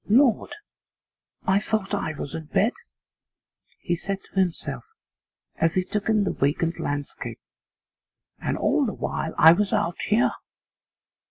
'Lord! I thought I was in bed,' he said to himself as he took in the vacant landscape, 'and all the while I was out here.